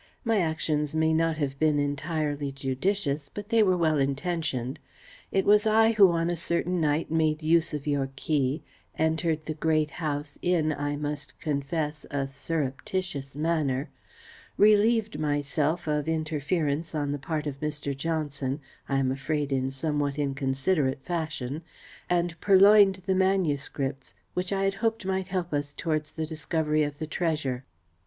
My actions may not have been entirely judicious, but they were well intentioned. It was I who on a certain night made use of your key, entered the Great House in, I must confess, a surreptitious manner, relieved myself of interference on the part of Mr. Johnson, I am afraid in somewhat inconsiderate fashion, and purloined the manuscripts, which I had hoped might help us towards the discovery of the treasure."